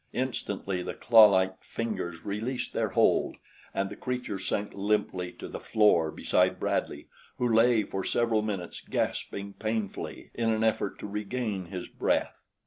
Instantly the clawlike fingers released their hold, and the creature sank limply to the floor beside Bradley, who lay for several minutes gasping painfully in an effort to regain his breath.